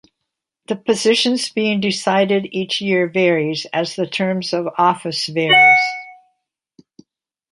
The positions being decided each year varies, as the terms of office varies.